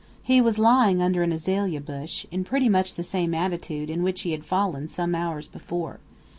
He was lying under an azalea bush, in pretty much the same attitude in which he had fallen some hours before.